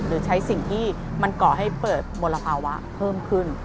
หรือใช้สิ่งที่มันก่อให้เปิดมลภาวะเพิ่มขึ้น